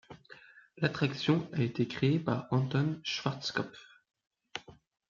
L'attraction a été créée par Anton Schwarzkopf.